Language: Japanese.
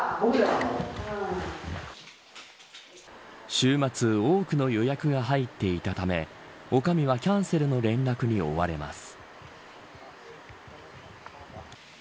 週末多くの予約が入っていたため女将はキャンセルの連絡に追われます。